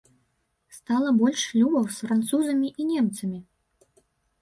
Стала больш шлюбаў з французамі і немцамі.